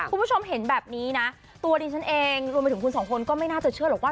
คุณผู้ชมเห็นแบบนี้นะตัวดิฉันเองรวมไปถึงคุณสองคนก็ไม่น่าจะเชื่อหรอกว่า